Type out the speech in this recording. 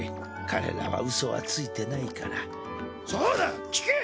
彼らはうそはついてないからそうだ聞け！